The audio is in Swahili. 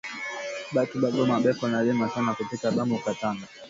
Batu ba goma beko na lima sana kupita bamu katanga